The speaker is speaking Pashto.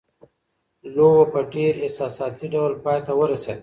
لوبه په ډېر احساساتي ډول پای ته ورسېده.